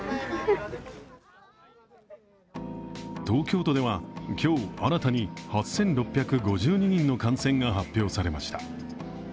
東京都では今日、新たに８６５２人の感染が発表されました。